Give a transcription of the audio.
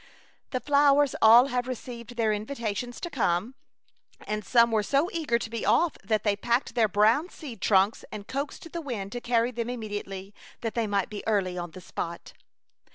The flowers all have received their invitations to come, and some were so eager to be off that they packed their brown seed trunks and coaxed the wind to carry them immediately, that they might be early on the spot.